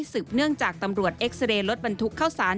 เนื่องจากตำรวจเอ็กซาเรย์รถบรรทุกเข้าสาร